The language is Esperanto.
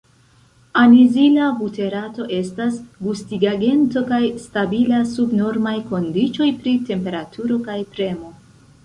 Anizila buterato estas gustigagento kaj stabila sub normaj kondiĉoj pri temperaturo kaj premo.